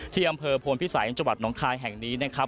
ที่อำเภอโพนพิสัยจังหวัดหนองคายแห่งนี้นะครับ